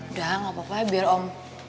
udah gapapa biar om